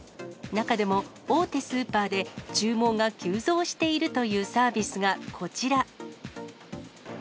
中でも、大手スーパーで注文が急増しているというサービスが、こちら。